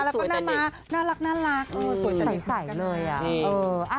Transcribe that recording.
แล้วก็หน้าม้าน่ารักสวยใสกันเลยอ่ะ